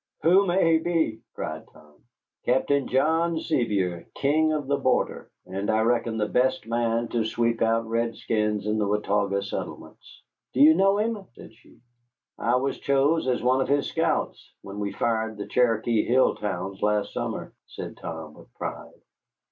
"Who may he be!" cried Tom; "Captain John Sevier, king of the border, and I reckon the best man to sweep out redskins in the Watauga settlements." "Do you know him?" said she. "I was chose as one of his scouts when we fired the Cherokee hill towns last summer," said Tom, with pride.